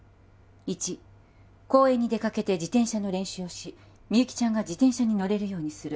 １公園に出かけて自転車の練習をしみゆきちゃんが自転車に乗れるようにする